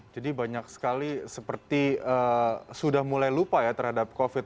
jadi banyak sekali seperti sudah mulai lupa ya terhadap covid sembilan belas